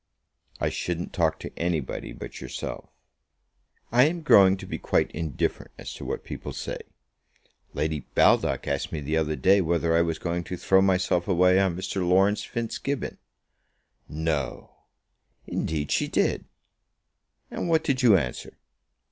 "I shouldn't talk to anybody but yourself." "I am growing to be quite indifferent as to what people say. Lady Baldock asked me the other day whether I was going to throw myself away on Mr. Laurence Fitzgibbon." "No!" "Indeed she did." "And what did you answer?"